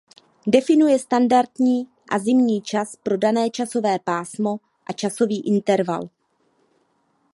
Definuje standardní a zimní čas pro dané časové pásmo a časový interval.